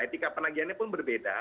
etika penagihannya pun berbeda